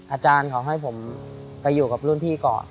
อาจารย์เขาให้ผมไปอยู่กับรุ่นพี่ก่อน